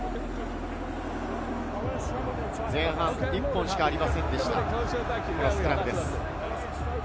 前半１本しかありませんでした、スクラムです。